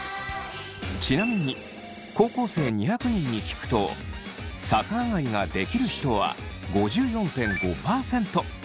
ちなみに高校生２００人に聞くと逆上がりができる人は５４．５％。